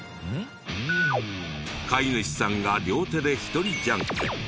飼い主さんが両手で１人じゃんけん。